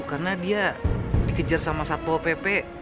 karena dia dikejar sama satpol pp